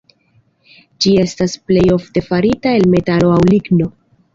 Ĝi estas plej ofte farita el metalo aŭ ligno.